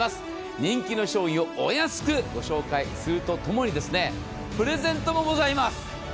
人気の商品をお安くご紹介すると共に、プレゼントもございます。